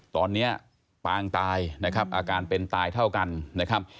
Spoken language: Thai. ตอนนี้ปางตายนะครับอาการเป็นตายเท่ากันนะครับ